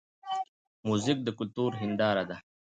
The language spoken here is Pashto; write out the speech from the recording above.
موزیک د کلتور هنداره ده.